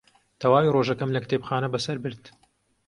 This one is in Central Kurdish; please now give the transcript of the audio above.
تەواوی ڕۆژەکەم لە کتێبخانە بەسەر برد.